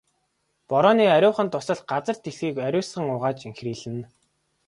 Борооны ариухан дусал газар дэлхийг ариусган угааж энхрийлнэ.